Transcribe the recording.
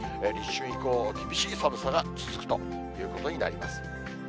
立春以降、厳しい寒さが続くということになります。